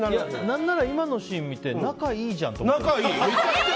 何なら今のシーン見て仲いいじゃんって思った。